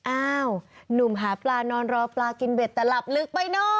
อ้าวหนุ่มหาปลานอนรอปลากินเบ็ดแต่หลับลึกไปเนอะ